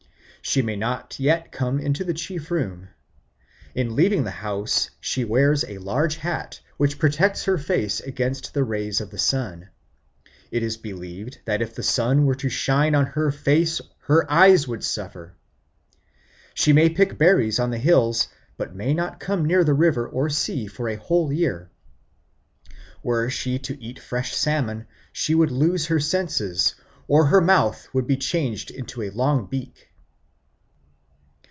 She may not yet come into the chief room. In leaving the house she wears a large hat which protects her face against the rays of the sun. It is believed that if the sun were to shine on her face her eyes would suffer. She may pick berries on the hills, but may not come near the river or sea for a whole year. Were she to eat fresh salmon she would lose her senses, or her mouth would be changed into a long beak.